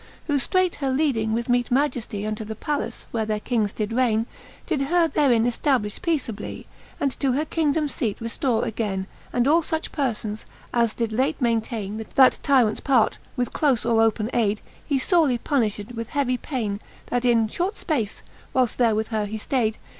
XXV. Who ftreight her leading with meete majeftie Unto the pallace, where their kings did rayne, Did her therin eftablifh peaceablie. And to her kingdomes feat reftore agayne : And all fuch perfons, as did late maintayne That tyrants part, with clofe or open ayde. He forely punifhed with heavie payne ; That in fhort fpace, whiles there with her he ftayd.